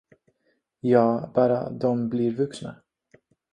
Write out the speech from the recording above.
Ja, bara de blir vuxna.